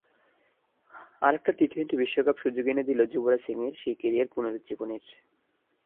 আরেকটা টি-টোয়েন্টি বিশ্বকাপ সুযোগ এনে দিল যুবরাজ সিংয়ের সেই ক্যারিয়ার পুনরুজ্জীবনের।